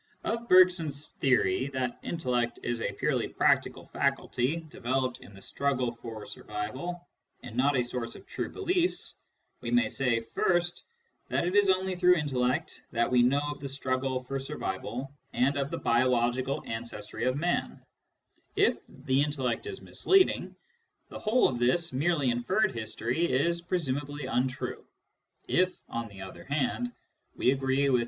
Of Bergson's theory that intellect is a purely practical faculty developed in the struggle for survival, and not a source of true beliefs, we may say, first, that it is only through intellect that we know of the struggle for survival and of the biological ancestry of man : if the intellect is misleading, the whole of this merely inferred history is presumably untrue. If, on the other hand, we agree with M.